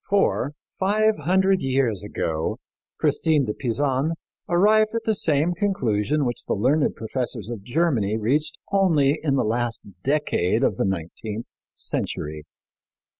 For five hundred years ago Christine de Pisan arrived at the same conclusion which the learned professors of Germany reached only in the last decade of the nineteenth century.